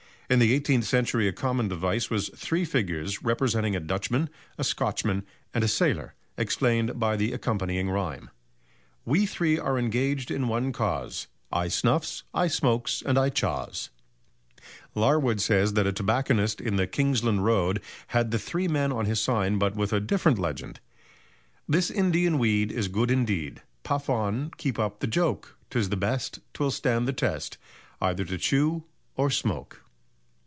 In the eighteenth century a common device was three figures representing a Dutchman, a Scotchman and a sailor, explained by the accompanying rhyme: We three are engaged in one cause, I snuffs, I smokes, and I chaws! Larwood says that a tobacconist in the Kingsland Road had the three men on his sign, but with a different legend: _This Indian weed is good indeed, Puff on, keep up the joke 'Tis the best, 'twill stand the test, Either to chew or smoke.